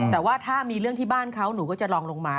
แต่ว่าถ้ามีเรื่องที่บ้านเขาหนูก็จะลองลงมา